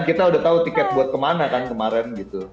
kita udah tau tiket buat kemana kan kemarin gitu